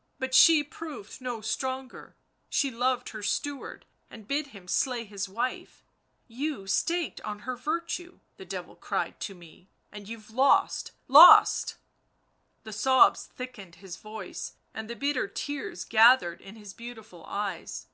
. but she proved no stronger — she loved her steward, and bid him slay his wife: 'You staked on her virtue,' the Devil cried to me, 4 and you've lost ! lost !'" The sobs thickened his voice, and the bitter tears gathered in his beautiful eyes.